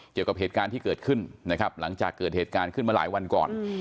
เกี่ยวกับเหตุการณ์ที่เกิดขึ้นนะครับหลังจากเกิดเหตุการณ์ขึ้นมาหลายวันก่อน